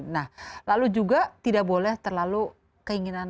nah lalu juga tidak boleh terlalu keinginan ketinggian harapan